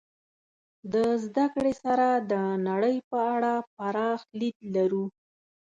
د زدهکړې سره د نړۍ په اړه پراخ لید لرو.